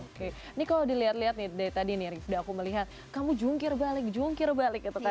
oke ini kalau dilihat lihat nih dari tadi nih rifda aku melihat kamu jungkir balik jungkir balik gitu tadi